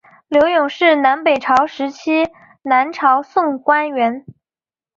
刘邕是南北朝时期南朝宋官员。